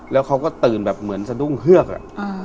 แล้วเขาก็ตื่นแบบเหมือนสะดุ้งเฮือก